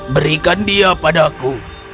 berikan dia padaku